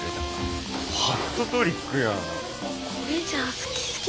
これじゃ好き好き